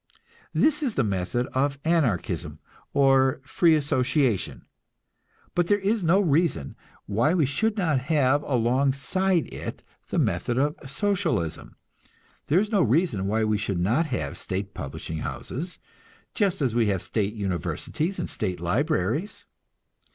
This is the method of Anarchism, or free association. But there is no reason why we should not have along side it the method of Socialism; there is no reason why we should not have state publishing houses, just as we have state universities and state libraries.